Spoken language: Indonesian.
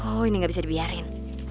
oh ini gak bisa dibiarin